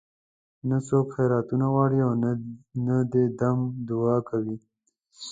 نه څوک خیراتونه غواړي او نه دم دعاوې کوي.